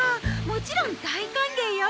もちろん大歓迎よ！